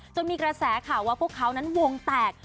มีกระแสข่าวว่าพวกเขานั้นวงแตก